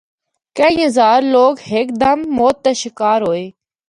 کئی ہزار لوگ ہک دم موت دا شکار ہوئے۔